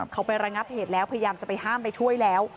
เขาไประงับเหตุแล้วพยายามจะไปห้ามไปช่วยแล้ว